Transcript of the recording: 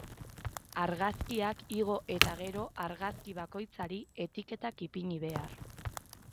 Argazkiak igo eta gero, argazki bakoitzari etiketak ipini behar.